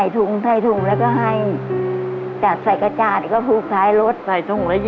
ใส่ถุงใส่ถุงแล้วก็ให้